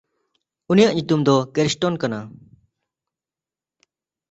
ᱩᱱᱤᱭᱟᱜ ᱧᱩᱛᱩᱢ ᱫᱚ ᱠᱮᱨᱥᱴᱚᱱ ᱠᱟᱱᱟ᱾